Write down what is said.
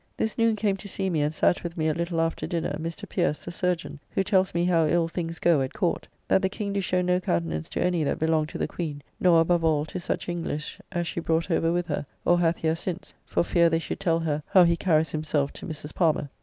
This noon came to see me and sat with me a little after dinner Mr. Pierce, the chyrurgeon, who tells me how ill things go at Court: that the King do show no countenance to any that belong to the Queen; nor, above all, to such English as she brought over with her, or hath here since, for fear they should tell her how he carries himself to Mrs. Palmer; [Lady Castlemaine.